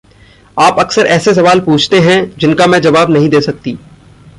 आप अकसर ऐसे सवाल पूछते हैं जिनका मैं जवाब नहीं दे सकती।